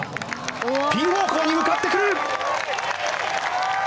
ピン方向に向かってくる！